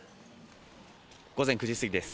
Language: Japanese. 午前９時過ぎです。